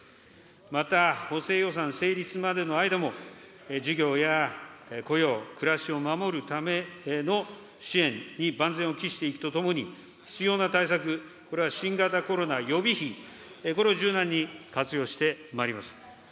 また補正予算成立までの間も事業や雇用、暮らしを守るための支援に万全を期していくとともに、必要な対策、これは新型コロナ予備費、これを柔軟に活用してまいります。